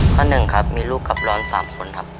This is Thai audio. ข้อหนึ่งครับมีลูกกับรอนสามคนครับ